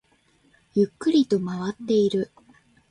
ゆっくりと回っている